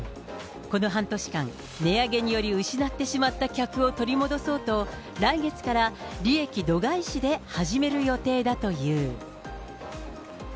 この半年間、値上げにより失ってしまった客を取り戻そうと、来月から利益度外視で始める予定だという。